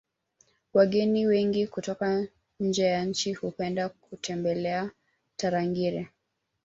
wageni wengi kutoka nje ya nchi hupenda kutembelea tarangire